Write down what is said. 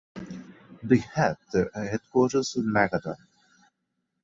They have their headquarters in Magadan.